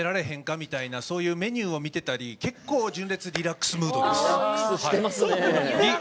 みたいなそういうメニューを見てたり結構、純烈リラックスムードです。